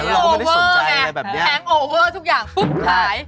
เราก็ไม่ได้สนใจอะไรแบบนี้แฮงโอเวอร์แหละแฮงโอเวอร์ทุกอย่างปุ๊บหาย